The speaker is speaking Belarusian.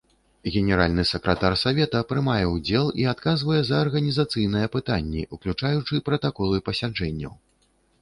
Генеральны сакратар савета прымае ўдзел і адказвае за арганізацыйныя пытанні, уключаючы пратаколы пасяджэнняў.